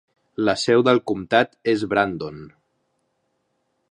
La seu del comtat és Brandon.